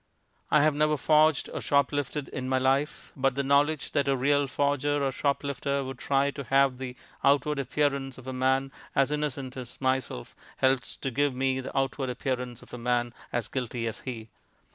I have never forged or shoplifted in my life, but the knowledge that a real forger or shoplifter would try to have the outward appearance of a man as innocent as myself helps to give me the outward appearance of a man as guilty as he.